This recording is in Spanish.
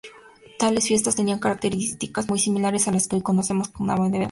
Tales fiestas tenían características muy similares a la que hoy conocemos como Navidad.